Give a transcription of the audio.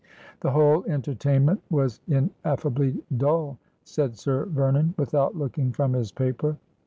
' The whole entertainment was ineffably dull,' said Sir Yernon, without looking from his paper.